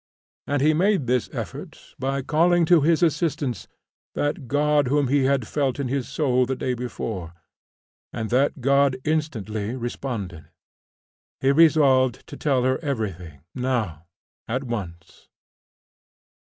And he made this effort by calling to his assistance that God whom he had felt in his soul the day before, and that God instantly responded. He resolved to tell her everything now at once.